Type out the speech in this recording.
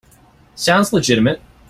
Sounds legitimate.